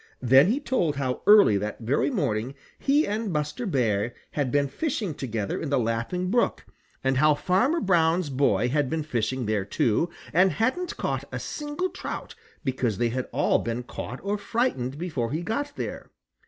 Then he told how early that very morning he and Buster Bear had been fishing together in the Laughing Brook, and how Farmer Brown's boy had been fishing there too, and hadn't caught a single trout because they had all been caught or frightened before he got there.